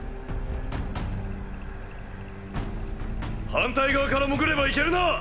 反対側から潜れば行けるな！